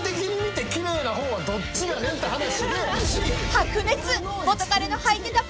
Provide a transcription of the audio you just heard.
［白熱！］